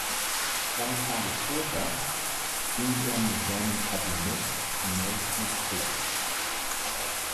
Zwei Tage später ging er mit seinem Kabinett zunächst nach Kreta.